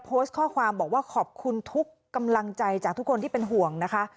โพสต์ข้อความบอกว่าขอบคุณทุกกำลังใจจากทุกคนที่เป็นห่วงนะคะ